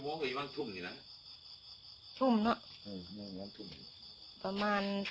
พี่ตุ๊กพี่หมูผ่าเจ้าของมา